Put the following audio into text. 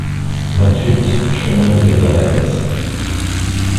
vingt-huit chemin de Kerdalaes